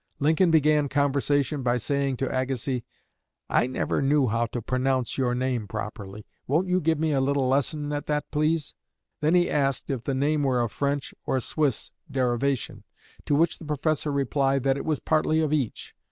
Lincoln began conversation by saying to Agassiz, "I never knew how to pronounce your name properly; won't you give me a little lesson at that, please?" Then he asked if the name were of French or Swiss derivation, to which the Professor replied that it was partly of each.